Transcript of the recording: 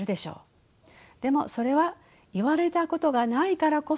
でもそれは言われたことがないからこそそう思えるのです。